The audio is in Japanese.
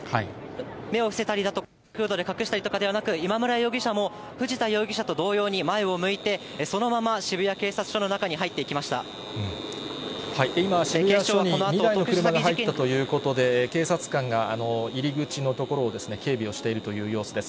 目を伏せたりとか、フードで隠したりだとかではなく、今村容疑者も、藤田容疑者と同様に、前を向いて、そのまま渋谷警察署の中に今、警察署に２台の車が入ったということで、警察官が入り口の所を警備をしているという様子です。